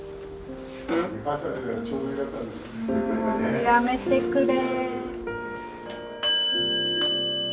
もうやめてくれ。